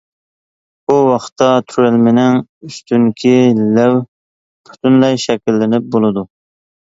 بۇ ۋاقىتتا تۆرەلمىنىڭ ئۈستۈنكى لەۋ پۈتۈنلەي شەكىللىنىپ بولىدۇ.